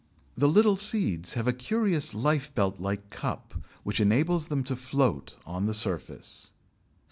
The little seeds have a curious lifebelt like cup, which enables them to float on the surface.